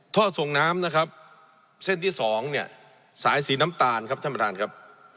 ท่อส่งน้ำนะครับเส้นที่สองเนี่ยสายสีน้ำตาลครับท่านประธานครับ